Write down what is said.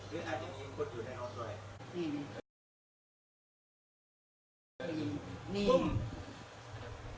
หรืออาจจะมีคนอยู่ในห้องสวย